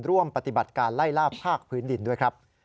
ร่วมปฏิบัติการไล่ล่าภาคพื้นดินด้วยครับ